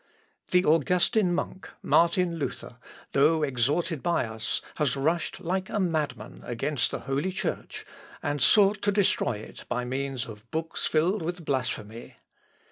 "The Augustin monk, Martin Luther, though exhorted by us, has rushed like a madman against the holy Church, and sought to destroy it by means of books filled with blasphemy.